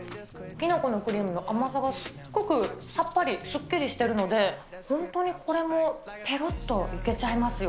きな粉のクリームの甘さがすっごくさっぱりすっきりしてるので、本当にこれもぺろっといけちゃいますよ。